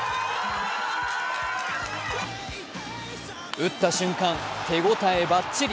打った瞬間、手応えバッチリ。